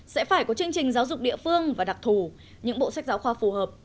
sẽ phải có chương trình giáo dục địa phương và đặc thù những bộ sách giáo khoa phù hợp